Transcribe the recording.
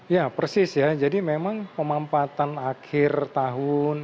ya persis ya jadi memang pemampatan akhir tahun